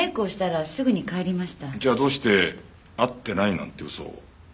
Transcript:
じゃあどうして会ってないなんて嘘を？